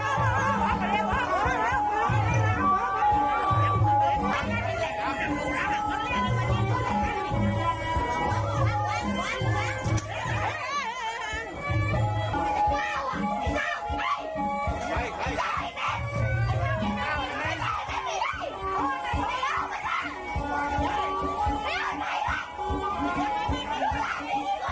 ที่ลูกหลาน